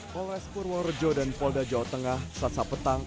polres purworejo dan polda jawa tengah selasa petang